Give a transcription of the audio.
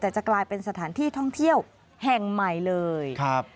แต่จะกลายเป็นสถานที่ท่องเที่ยวแห่งใหม่เลยครับ